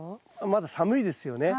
まだ寒いですよね。